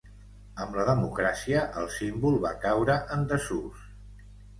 Amb la democràcia, el símbol va caure en desús.